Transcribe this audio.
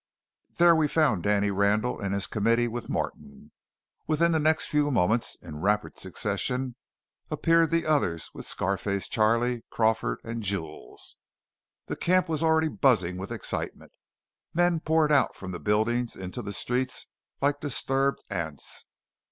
There we found Danny Randall and his committee with Morton. Within the next few moments, in rapid succession, appeared the others with Scar face Charley, Crawford, and Jules. The camp was already buzzing with excitement. Men poured out from the buildings into the streets like disturbed ants.